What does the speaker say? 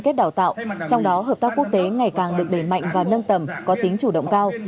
kết đào tạo trong đó hợp tác quốc tế ngày càng được đẩy mạnh và nâng tầm có tính chủ động cao